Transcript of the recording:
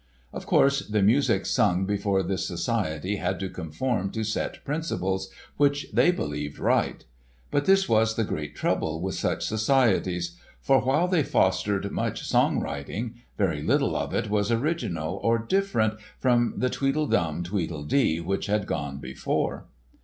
Of course, the music sung before this society had to conform to set principles which they believed right. But this was the great trouble with such societies; for while they fostered much song writing, very little of it was original or different from the tweedle dum, tweedle dee which had gone before.